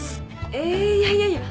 えいやいやいや。